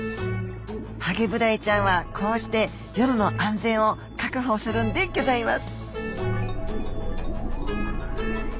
ハゲブダイちゃんはこうして夜の安全を確保するんでぎょざいます。